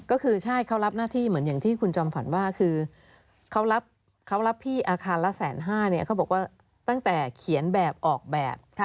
ก็คือใช่เขารับหน้าที่เหมือนอย่างที่คุณจอมขวัญว่าคือเขารับพี่อาคารละ๑๕๐๐เนี่ยเขาบอกว่าตั้งแต่เขียนแบบออกแบบ